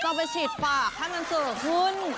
ก็ไปฉีดปากให้มันเสือผื่น